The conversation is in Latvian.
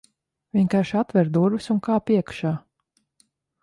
Vienkārši atver durvis, un kāp iekšā.